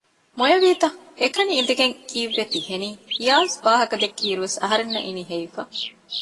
މޮޔަވީތަ؟ އެކަނި އިނދެގެން ކީއްވެ ތި ހެނީ؟ އިޔާޒް ވާހަކަ ދެއްކި އިރުވެސް އަހަރެންނަށް އިނީ ހެވިފަ